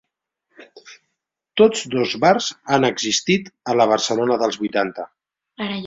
Tots dos bars han existit a la Barcelona dels vuitanta.